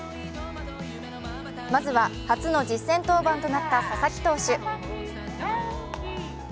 まずは、初の実戦登板となった佐々木投手。